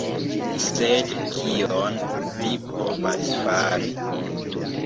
Sed kion mi povas fari?